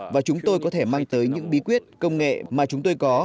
và chúng tôi có thể mang tới những bí quyết công nghệ mà chúng tôi có